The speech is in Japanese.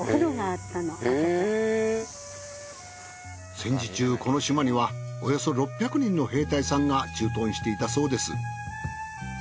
戦時中この島にはおよそ６００人の兵隊さんが駐屯していたそうです。